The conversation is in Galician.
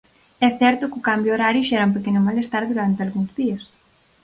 É certo que o cambio horario xera un pequeno malestar durante algúns días.